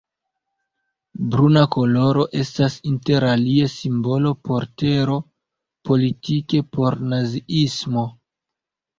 Bruna koloro estas interalie simbolo por tero; politike por naziismo.